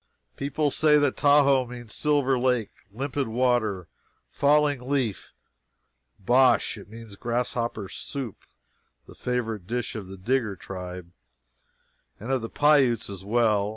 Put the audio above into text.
People say that Tahoe means "Silver Lake" "Limpid Water" "Falling Leaf." Bosh. It means grasshopper soup, the favorite dish of the Digger tribe, and of the Pi utes as well.